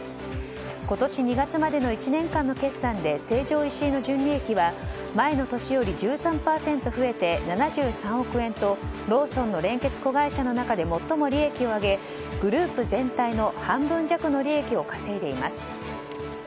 今年２月までの１年間の決算で成城石井の純利益は前の年より１３％増えて７３億円とローソンの連結子会社の中で最も利益を上げグループ全体の半分弱の利益を稼いでいます。